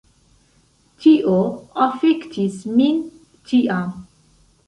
Tio afektis min tiam.